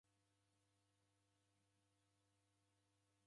Wakaia unyame chuku w'oruwu.